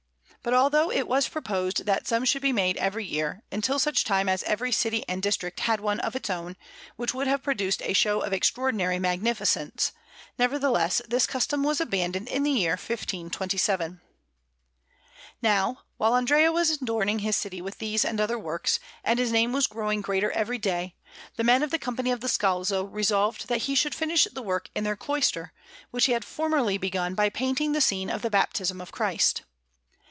But although it was proposed that some should be made every year, until such time as every city and district had one of its own, which would have produced a show of extraordinary magnificence, nevertheless this custom was abandoned in the year 1527. Now, while Andrea was adorning his city with these and other works, and his name was growing greater every day, the men of the Company of the Scalzo resolved that he should finish the work in their cloister, which he had formerly begun by painting the scene of the Baptism of Christ.